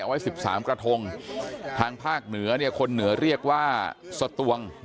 ไว้๑๓กระทงทางภาคเหนือคนเหนือเรียกว่าสตวง